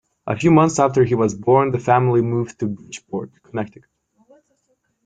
A few months after he was born, the family moved to Bridgeport, Connecticut.